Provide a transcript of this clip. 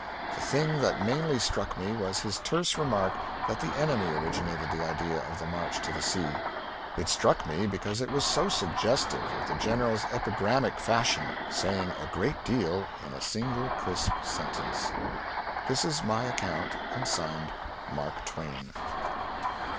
The thing that mainly struck me was his terse remark that the enemy originated the idea of the march to the sea. It struck me because it was so suggestive of the General's epigrammatic fashion saying a great deal in a single crisp sentence. (This is my account, and signed "Mark Twain.")